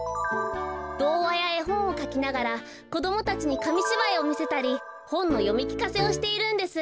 どうわやえほんをかきながらこどもたちにかみしばいをみせたりほんのよみきかせをしているんです。